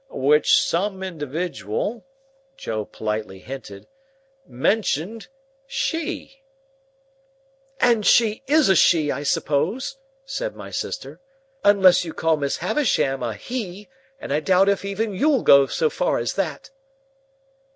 "—Which some individual," Joe politely hinted, "mentioned—she." "And she is a she, I suppose?" said my sister. "Unless you call Miss Havisham a he. And I doubt if even you'll go so far as that."